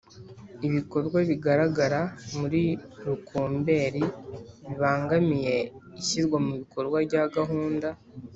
ibikorwa bigaragara muri Rukumberi bibangamiye ishyirwamubikorwa rya gahunda